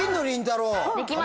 できます！